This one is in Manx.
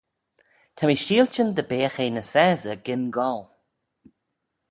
Ta mee sheiltyn dy beagh eh ny sassey gyn goll.